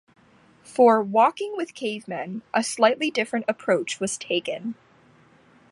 For "Walking with Cavemen", a slightly different approach was taken.